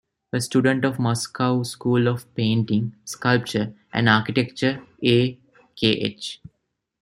A student of Moscow School of Painting, Sculpture and Architecture A. Kh.